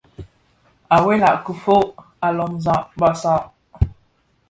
À wela kifog, à lômzàg bàsàg.